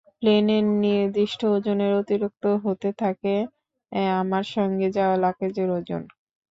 প্লেনের নির্দিষ্ট ওজনের অতিরিক্ত হতে থাকে আমার সঙ্গে যাওয়া লাগেজের ওজন।